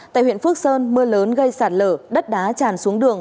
tại huyện phước sơn mưa lớn gây sạt lở đất đá tràn xuống đường